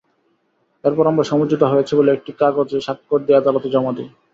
এরপর আমরা সমঝোতা হয়েছে বলে একটি কাগজে স্বাক্ষর দিয়ে আদালতে জমা দিই।